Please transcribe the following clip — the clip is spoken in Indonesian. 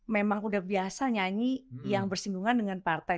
memang udah biasa nyanyi yang bersinggungan dengan partai